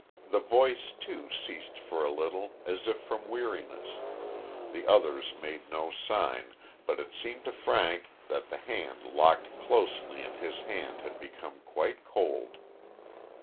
The voice, too, ceased for a little, as if from weariness. The others made no sign, but it seemed to Frank that the hand locked closely in his had become quite cold.